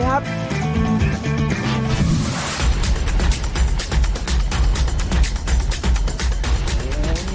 วัดต้นน้ำมาจากไหนไปต่อเลยครับ